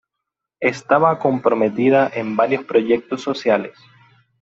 Estaba comprometida en varios proyectos sociales.